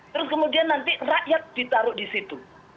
terus kemudian nanti rakyat ditaruh di situ